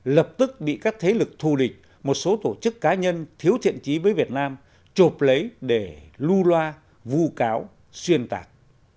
lập tức bị các thế lực thù địch một số tổ chức cá nhân thiếu thiện trí với việt nam chộp lấy để lưu loa vu cáo xuyên tạc